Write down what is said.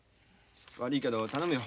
悪いけど頼むよ。